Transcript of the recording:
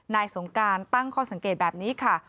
สงการตั้งข้อสังเกตแบบนี้ค่ะ